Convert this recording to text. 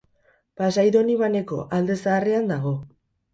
Pasai Donibaneko Alde Zaharrean dago.